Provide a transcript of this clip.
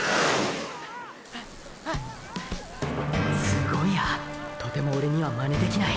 すごいやとてもオレには真似できない。